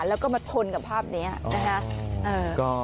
แล้วก็มาชนกับภาพนี้นะคะ